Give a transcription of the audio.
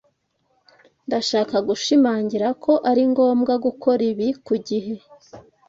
Ndashaka gushimangira ko ari ngombwa gukora ibi ku gihe.